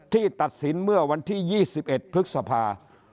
ตัดสินเมื่อวันที่๒๑พฤษภา